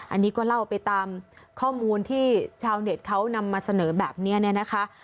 อันนี้ก็เล่าไปตามข้อมูลที่ชาวเน็ตเขานำมาเสนอแบบนี้เนี่ยนะคะ